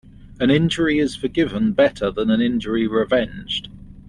An injury is forgiven better than an injury revenged.